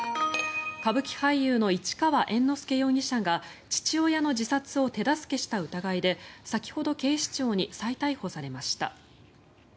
歌舞伎俳優の市川猿之助容疑者が父親の自殺を手助けした疑いで先ほど、警視庁に再逮捕されました。